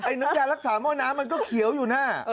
ไอ้น้ำใจรักษาเมาะน้ำมันก็เขียวอยู่นะ